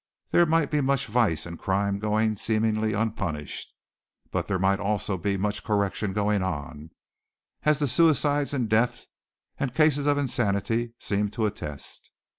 There might be much vice and crime going seemingly unpunished, but there might also be much correction going on, as the suicides and deaths and cases of insanity seemed to attest.